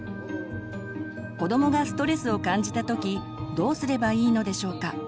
子どもがストレスを感じた時どうすればいいのでしょうか。